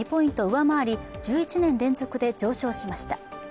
上回り１１年連続で上昇しました。